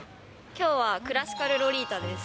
きょうはクラシカルロリータです。